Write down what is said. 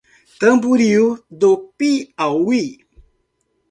Tamboril do Piauí